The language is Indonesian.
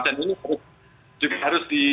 dan ini harus